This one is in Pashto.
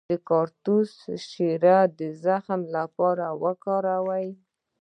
د کاکتوس شیره د زخم لپاره وکاروئ